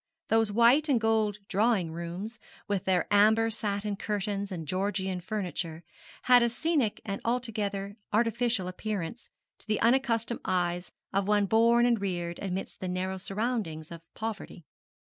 Those white and gold drawing rooms, with their amber satin curtains and Georgian furniture, had a scenic and altogether artificial appearance to the unaccustomed eyes of one born and reared amidst the narrow surroundings of poverty.